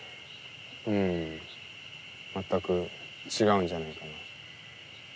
全く違うんじゃないかな。